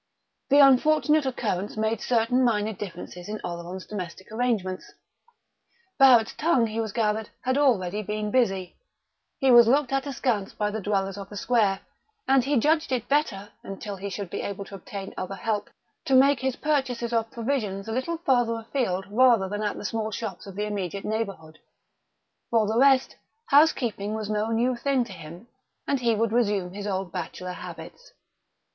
The unfortunate occurrence made certain minor differences in Oleron's domestic arrangements. Barrett's tongue, he gathered, had already been busy; he was looked at askance by the dwellers of the square; and he judged it better, until he should be able to obtain other help, to make his purchases of provisions a little farther afield rather than at the small shops of the immediate neighbourhood. For the rest, housekeeping was no new thing to him, and he would resume his old bachelor habits....